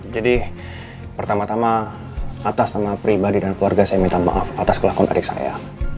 jadi pertama tama atas nama pribadi dan keluarga saya minta maaf atas kelakuan adik saya